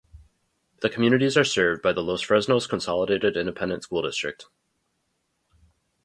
The communities are served by the Los Fresnos Consolidated Independent School District.